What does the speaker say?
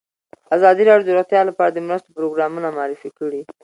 ازادي راډیو د روغتیا لپاره د مرستو پروګرامونه معرفي کړي.